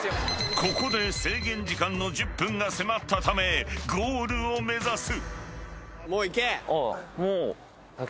［ここで制限時間の１０分が迫ったためゴールを目指す］